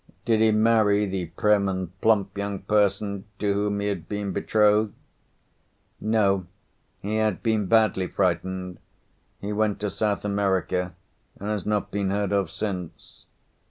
"Did he marry the prim and plump young person to whom he had been betrothed?"_ _"No; he had been badly frightened. He went to South America, and has not been heard of since."